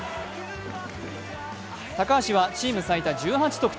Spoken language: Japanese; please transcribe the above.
高橋はチーム最多１８得点。